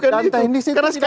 dan teknis itu tidak kenal